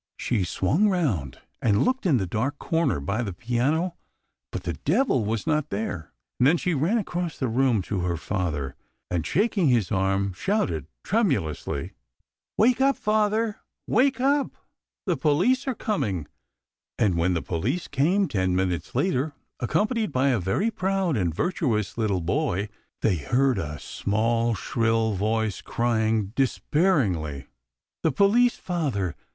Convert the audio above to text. She swung round and looked in the dark corner by the piano; but the Devil was not there. And then she ran across the room to her father, and shaking his arm, shouted, tremu lously " Wake up, father ! Wake up 1 The police are coming !" And when the police came ten minutes later, accompanied by a very proud and virtuous little boy, they heard a small shrill voice crying, despairingly " The police, father